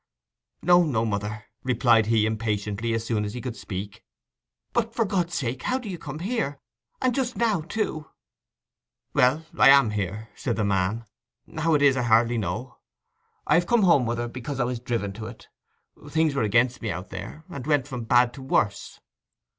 'No, no, mother,' replied he impatiently, as soon as he could speak. 'But for God's sake how do you come here—and just now too?' 'Well, I am here,' said the man. 'How it is I hardly know. I've come home, mother, because I was driven to it. Things were against me out there, and went from bad to worse.